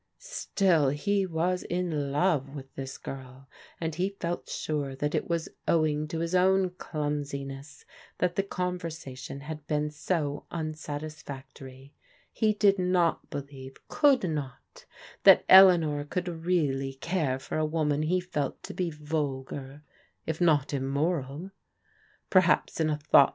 Still he was in love with this girl, and he felt sure that it was owing to his own clumsiness that the conversation had been so unsatisfactory. He did not believe— could not — that Eleanor could really care for a woman he felt to be vulgar, if not immoral. Perhaps in a thoughtless J.